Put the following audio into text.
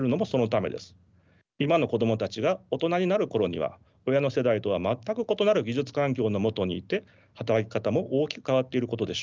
今の子供たちが大人になる頃には親の世代とは全く異なる技術環境の下にいて働き方も大きく変わっていることでしょう。